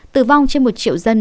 tử vong trên một triệu dân